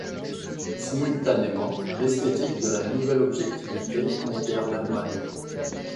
Simultanément, l'esthétique de la Nouvelle Objectivité conquiert l'Allemagne.